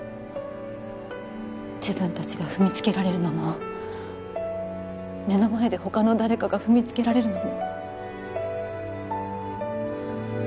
自分たちが踏みつけられるのも目の前で他の誰かが踏みつけられるのも。